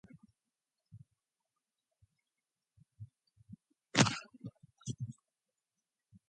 After three more hits the group split up again.